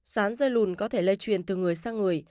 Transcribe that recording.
sán dây lùn có thể lây truyền từ người sang người